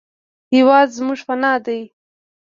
هېواد زموږ پناه دی